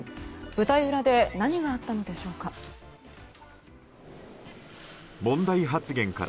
舞台裏で何があったのでしょうか。